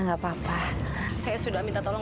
nggak pernah mau datang ke sini lagi